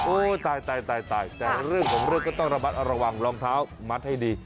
โอ๊ยตายแต่เรื่องผมเลือกก็ต้องระวังรองเท้ามัดให้ดี